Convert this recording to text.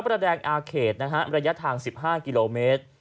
ระยะทาง๑๕กิโลเมตร